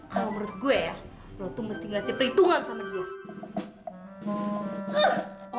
kalau menurut gue ya lo tuh mesti ngasih perhitungan sama dia